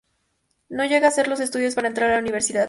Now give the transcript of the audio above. No llega a hacer los estudios para entrar en la universidad.